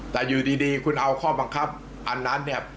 แต่อยู่ดีคุณเอาข้อบังคับอันนั้นเนี่ย